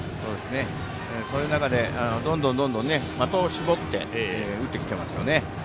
そういう中でどんどん的を絞って打ってきてますよね。